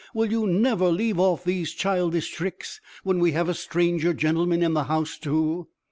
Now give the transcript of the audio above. will you never leave off these childish tricks when we have a stranger gentleman in the house too!"